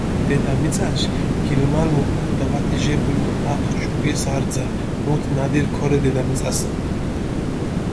დედამიწაშ გილმალუ დაპატიჟებული აფუ ჭუკის არძა, მუთ ნადირი ქორე დედამიწასჷნ.